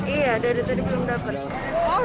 iya dari tadi belum dapat